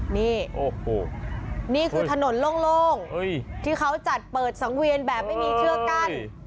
นี่โอ้โหนี่คือถนนโล่งที่เขาจัดเปิดสังเวียนแบบไม่มีเชือกกั้น